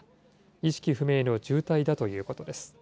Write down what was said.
意識不明の重体だということです。